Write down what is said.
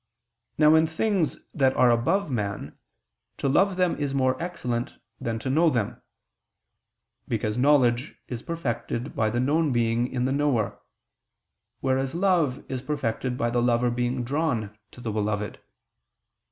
Now in things that are above man, to love them is more excellent than to know them. Because knowledge is perfected by the known being in the knower: whereas love is perfected by the lover being drawn to the beloved.